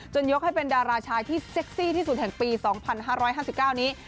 ยกให้เป็นดาราชายที่เซ็กซี่ที่สุดแห่งปี๒๕๕๙นี้